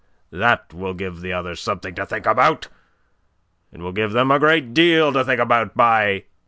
That will give the others something to think about. It will give them a great deal to think about, by